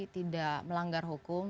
tidak melanggar hukum